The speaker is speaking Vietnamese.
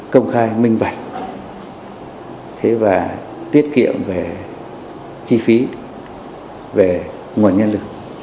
chi phí về nguồn nhân lực